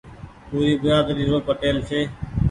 پوري بيرآدري رو پٽيل ڇي۔